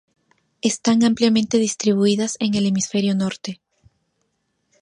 Están ampliamente distribuidas en el hemisferio norte.